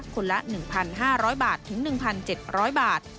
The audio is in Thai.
คนละ๑๕๐๐บาทถึง๑๗๐๐บาท